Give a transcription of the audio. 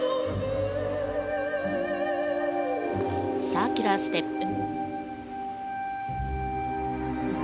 サーキュラーステップ。